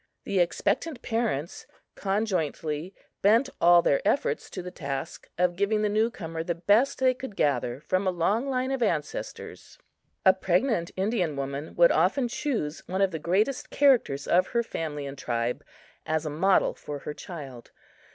The expectant parents conjointly bent all their efforts to the task of giving the new comer the best they could gather from a long line of ancestors. A pregnant Indian woman would often choose one of the greatest characters of her family and tribe as a model for her child.